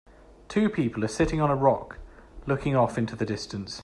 Two people are sitting on a rock looking off into the distance.